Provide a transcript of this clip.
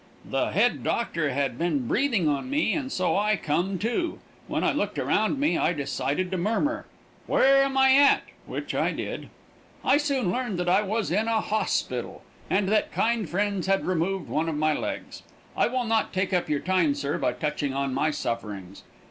The hed doctor had been breathing on me and so I come too. When I looked around me I decided to murmur "Where am I at?" which I did. I soon learned that I was in a hosspital, and that kind friends had removed one of my legs. I will not take up your time, sir, by touching on my sufferings.